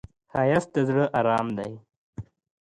ښایست د زړه آرام دی